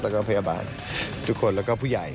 แล้วก็พยาบาลทุกคนแล้วก็ผู้ใหญ่